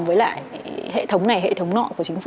với lại hệ thống này hệ thống nọ của chính phủ